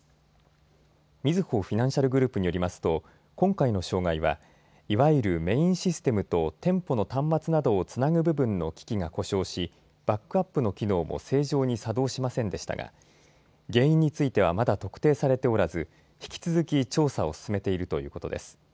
みずほフィナンシャルグループによりますと今回の障害はいわゆるメインシステムと店舗の端末などをつなぐ部分の機器が故障しバックアップの機能も正常に作動しませんでしたが原因についてはまだ特定されておらず引き続き調査を進めているということです。